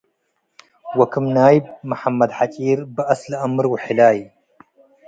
ወክም ናይብ መሐመድ ሐጪር - በአስ ለአምር ወሕላይ፣